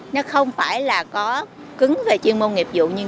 nó không phải là có cứng về chuyên môn nghiệp dụng